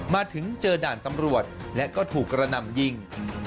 มาถึงเจอด่านตำรวจและก็ถูกกระหน่ำยิง